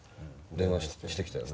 電話してきたよね。